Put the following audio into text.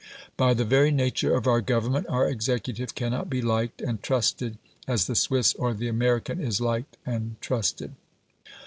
By the very nature of our government our executive cannot be liked and trusted as the Swiss or the American is liked and trusted.